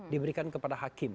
diberikan kepada hakim